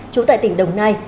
trú tại tỉnh đồng nai